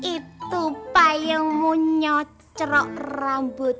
itu pak yang mau nyocrok rambut